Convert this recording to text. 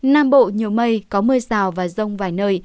nam bộ nhiều mây có mưa rào và rông vài nơi